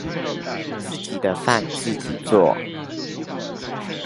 自己的飯自己做